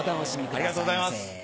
ありがとうございます。